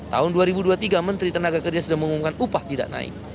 tahun dua ribu dua puluh tiga menteri tenaga kerja sudah mengumumkan upah tidak naik